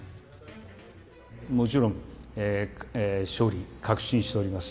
もちろん、勝利、確信しております。